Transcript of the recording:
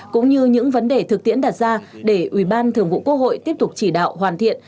cũng như những vấn đề thực tiễn đặt ra để ủy ban thường vụ quốc hội tiếp tục chỉ đạo hoàn thiện